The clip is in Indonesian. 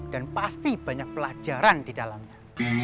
dan pasti banyak pelajaran di dalamnya